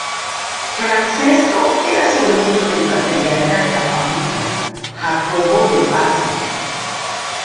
Francesco era sobrino del patriarca de la familia, Jacobo de Pazzi.